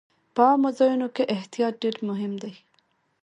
په عامو ځایونو کې احتیاط ډېر مهم دی.